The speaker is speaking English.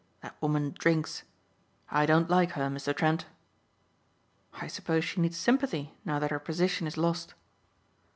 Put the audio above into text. That woman drinks. I don't like her, Mr. Trent." "I suppose she needs sympathy now that her position is lost?"